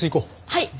はい！